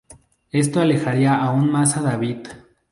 Eso alejaría aún más a David.